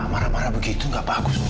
marah marah begitu gak bagus